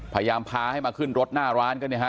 พยายามพาให้มาขึ้นรถหน้าร้านก็เนี่ยฮะ